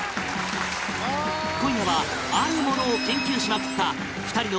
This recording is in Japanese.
今夜はあるものを研究しまくった２人の